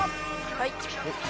はい。